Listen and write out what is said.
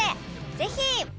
ぜひ！